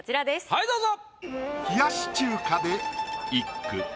はいどうぞ。